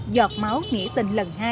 giọt máu nghĩa tình lần hai